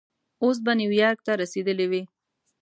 اوس به نیویارک ته رسېدلی وې.